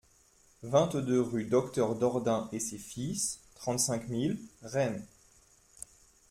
vingt-deux rue Docteur Dordain et ses Fils, trente-cinq mille Rennes